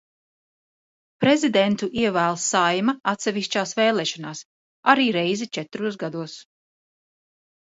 Prezidentu ievēl Saeima atsevišķās vēlēšanās arī reizi četros gados.